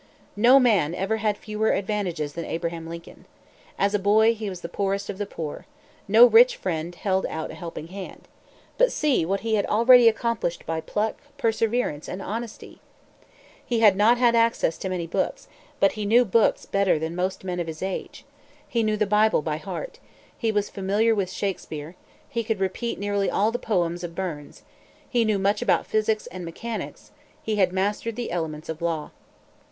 No man ever had fewer advantages than Abraham Lincoln. As a boy, he was the poorest of the poor. No rich friend held out a helping hand. But see what he had already accomplished by pluck, perseverance, and honesty! He had not had access to many books, but he knew books better than most men of his age. He knew the Bible by heart; he was familiar with Shakespeare; he could repeat nearly all the poems of Burns; he knew much about physics and mechanics; he had mastered the elements of law.